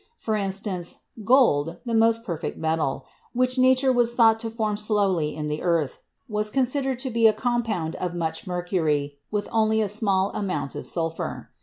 For instance, gold, the most perfect metal, which Nature was thought to form slowly in the earth, was con sidered to be a compound of much mercury with only a small amount of sulphur.